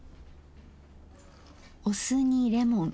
お酢にレモン。